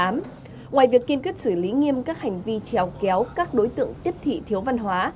ngoài việc kiên quyết xử lý nghiêm các hành vi trèo kéo các đối tượng tiếp thị thiếu văn hóa